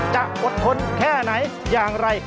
จะอดทนแค่ไหนอย่างไร